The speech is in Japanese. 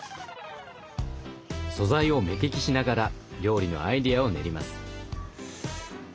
素材を目利きしながら料理のアイデアを練ります。